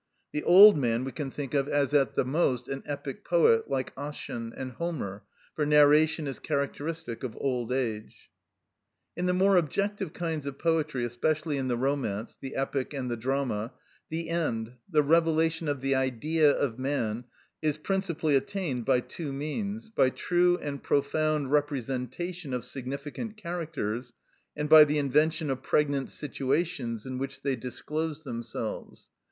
The old man we can think of as at the most an epic poet, like Ossian, and Homer, for narration is characteristic of old age. In the more objective kinds of poetry, especially in the romance, the epic, and the drama, the end, the revelation of the Idea of man, is principally attained by two means, by true and profound representation of significant characters, and by the invention of pregnant situations in which they disclose themselves.